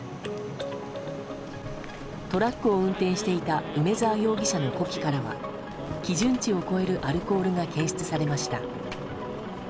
トラックを運転していた梅沢容疑者の呼気からは基準値を超えるアルコールが検出されました。